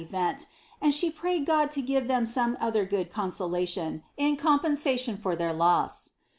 ent ; and she prayed God to give them some otiier good consolation in compensation for their loss."